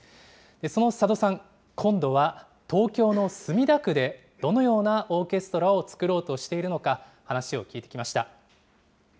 その佐渡さん、今度は東京の墨田区でどのようなオーケストラを作ろうとしているのか、話を聞いてきました。